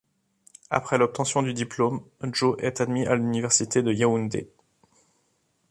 Après l'obtention du diplôme, Joe est admis à l'Université de Yaoundé.